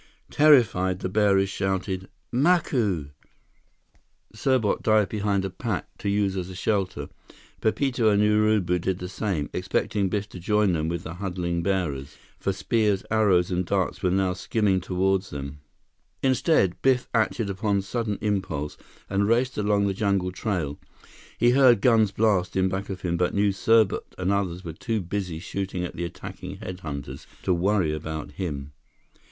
Terrified, the bearers shouted, "Macu!" Serbot dived behind a pack, to use it as a shelter. Pepito and Urubu did the same, expecting Biff to join them with the huddling bearers, for spears, arrows, and darts were now skimming toward them. Instead, Biff acted upon sudden impulse and raced along the jungle trail. He heard guns blast in back of him, but knew Serbot and the others were too busy shooting at the attacking head hunters to worry about him.